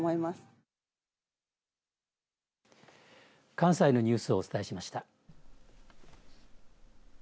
関西のニュースをお伝えしました。